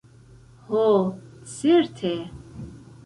Ho, certe!